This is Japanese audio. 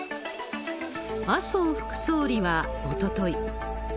麻生副総理はおととい。